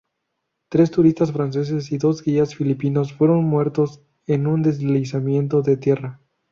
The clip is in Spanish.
Tres turistas franceses y dos guías filipinos fueron muertos en un deslizamiento de tierra.